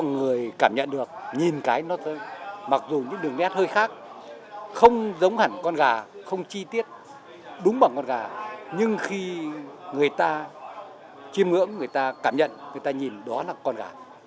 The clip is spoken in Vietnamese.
ngoài các bức vẽ truyền thống